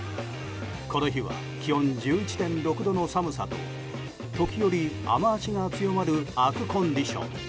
この日は気温１１．６度の寒さと時折、雨脚が強まる悪コンディション。